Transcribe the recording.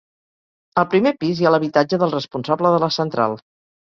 Al primer pis hi ha l'habitatge del responsable de la central.